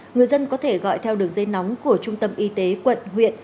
người dân có thể gọi theo đường dây nóng của trung tâm y tế quận huyện